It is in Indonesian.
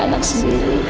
apa salah saya ya allah